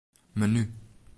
Menu.